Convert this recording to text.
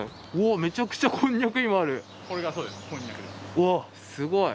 うわすごい！